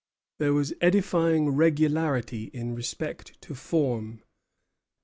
There was edifying regularity in respect to form.